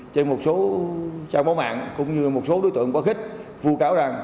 trên một số trang báo mạng cũng như một số đối tượng quá khích phu cáo rằng